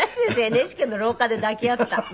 「ＮＨＫの廊下で抱き合った」。